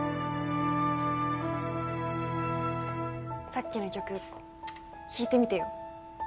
さっきの曲弾いてみてよ